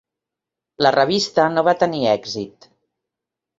La revista no va tenir èxit.